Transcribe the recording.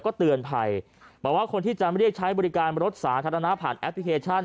ก็เตือนภัยบอกว่าคนที่จะเรียกใช้บริการรถสาธารณะผ่านแอปพลิเคชัน